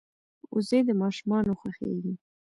وزې د ماشومانو خوښېږي